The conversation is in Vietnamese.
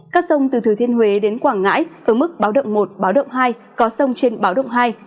các sông từ thừa thiên huế đến quảng ngãi ở mức báo động một báo động hai có sông trên báo động hai